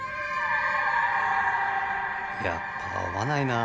やっぱ合わないなあ